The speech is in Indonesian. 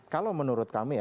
kalau menurut kami